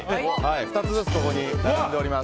２つずつここに並んでおります。